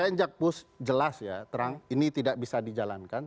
untuk pn jakpus jelas ya terang ini tidak bisa dijalankan